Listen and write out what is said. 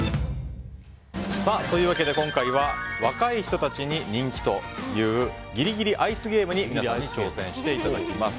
今回は、若い人たちに人気というギリギリアイスゲームに皆さんに挑戦していただきます。